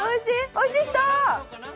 おいしい人！